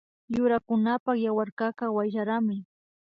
Yurakunapak yawarkaka wayllamari